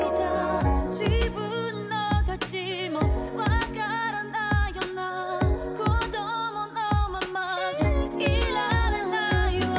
「自分の価値もわからないような」「コドモのままじゃいられないわ」